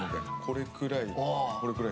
これくらい。